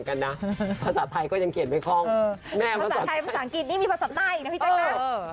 กันนะภาษาไทยก็ยังเขียนไว้ข้องภาษาไทยภาษาอังกฤษนี่มีภาษาหน้าอีกนะพี่แจ๊คแม่